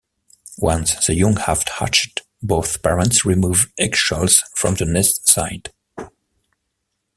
Once the young have hatched, both parents remove eggshells from nest site.